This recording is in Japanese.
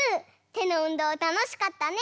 てのうんどうたのしかったね。